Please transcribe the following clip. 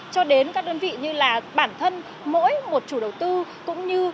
cho đến các đơn vị như là bản thân mỗi một chủ đầu tư